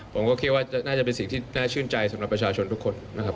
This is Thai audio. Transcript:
ผมก็คิดว่าน่าจะเป็นสิ่งที่น่าชื่นใจสำหรับประชาชนทุกคนนะครับ